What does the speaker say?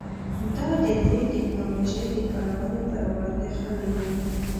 دا د نوې ټکنالوژۍ د کارونې پر وړاندې خنډ و.